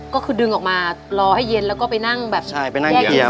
ก็คือดึงออกมารอให้เย็นแล้วก็ไปนั่งแบบแยกกินส่วน